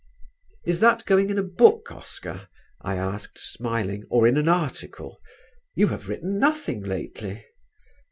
"Is that going in a book, Oscar?" I asked, smiling, "or in an article? You have written nothing lately."